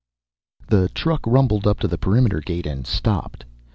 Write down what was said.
The truck rumbled up to the perimeter gate and stopped.